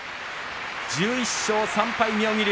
１１勝３敗妙義龍